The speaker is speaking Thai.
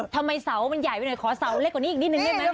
ทำไมเสามันใหญ่ไปหน่อยขอเสาเล็กกว่านี้อีกนิดนึงได้ไหม